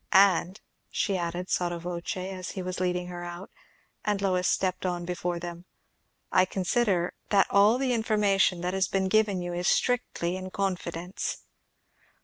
And," she added sotto voce as he was leading her out, and Lois had stepped on before them, "I consider that all the information that has been given you is strictly in confidence."